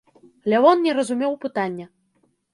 Лявон не разумеў пытання.